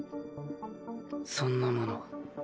そんなもの